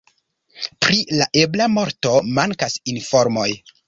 Pri la ebla morto mankas informoj.